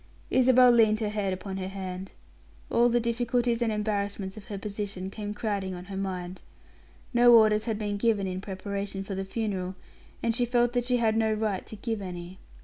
Isabel leaned her head upon her hand. All the difficulties and embarrassments of her position came crowding on her mind. No orders had been given in preparation for the funeral, and she felt that she had no right to give any.